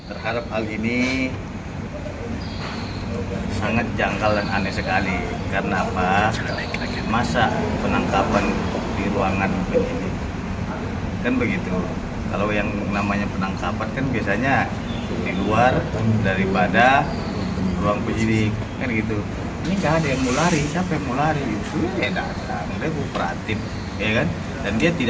egy sujana mengatakan bahwa egy tidak akan melarikan diri dari ruangan penyidik